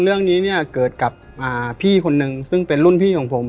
เรื่องนี้เนี่ยเกิดกับพี่คนนึงซึ่งเป็นรุ่นพี่ของผม